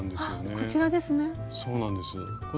こちらですね。